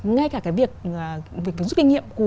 ngay cả cái việc giúp kinh nghiệm